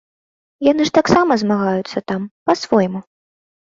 Яны ж таксама змагаюцца там, па-свойму.